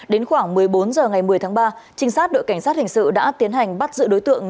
đến khoảng một mươi bốn h ngày một mươi tháng ba trinh sát đội cảnh sát hình sự đã tiến hành bắt giữ đối tượng